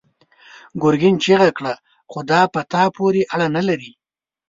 ګرګين چيغه کړه: خو دا په تا پورې اړه نه لري!